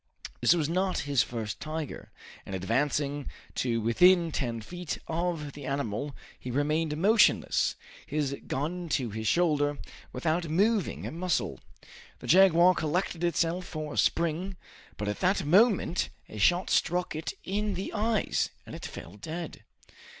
This was not his first tiger, and advancing to within ten feet of the animal he remained motionless, his gun to his shoulder, without moving a muscle. The jaguar collected itself for a spring, but at that moment a shot struck it in the eyes, and it fell dead.